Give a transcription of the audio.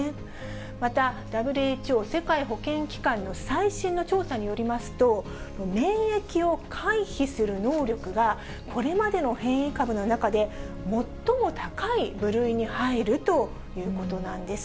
またＷＨＯ・世界保健機関の最新の調査によりますと、免疫を回避する能力がこれまでの変異株の中で最も高い部類に入るということなんです。